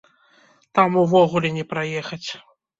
Там увогуле не праехаць!